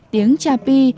tiếng cha pi